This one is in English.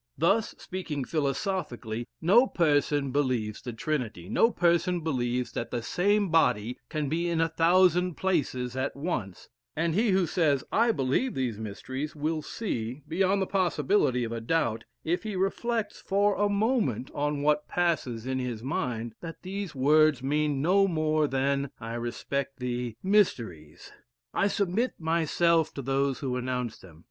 Thus, speaking philosophically, no person believes the Trinity; no person believes that the same body can be in a thousand places at once; and he who says, I believe these mysteries, will see, beyond the possibility of a doubt, if he reflects for a moment on what passes in his mind, that these words mean no more than, I respect thee, mysteries; I submit myself to those who announce them.